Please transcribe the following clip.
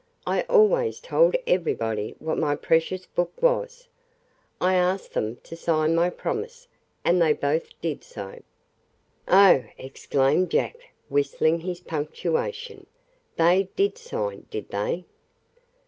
I always told everybody what my precious book was. I asked them to sign my promise, and they both did so." "Oh!" exclaimed Jack, whistling his punctuation. "They did sign, did they?"